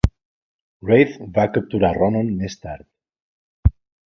Wraith va capturar Ronon més tard.